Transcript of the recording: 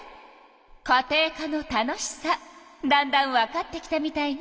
家庭科の楽しさだんだんわかってきたみたいね。